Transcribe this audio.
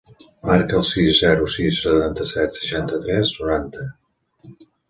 Marca el sis, zero, sis, setanta-set, seixanta-tres, noranta.